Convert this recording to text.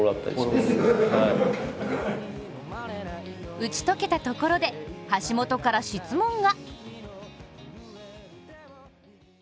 打ち解けたところで、橋本から質問が。